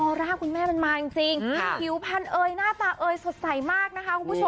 ร่าคุณแม่มันมาจริงผิวพันเอยหน้าตาเอยสดใสมากนะคะคุณผู้ชม